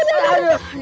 ada neng aida